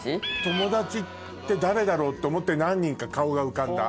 友達って誰だろう？って思って何人か顔が浮かんだ。